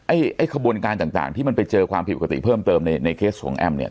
ไอ้ขบวนการต่างที่มันไปเจอความผิดปกติเพิ่มเติมในในเคสของแอมเนี่ย